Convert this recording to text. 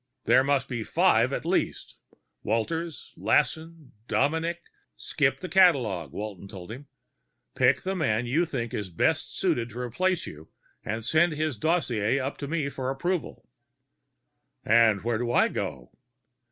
"There must be five, at least. Walters, Lassen, Dominic " "Skip the catalogue," Walton told him. "Pick the man you think is best suited to replace you, and send his dossier up to me for approval." "And where do I go?"